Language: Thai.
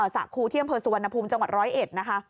สะครูที่อำเภอสุวรรณภูมิจังหวัดร้อยเอ็ดนะคะ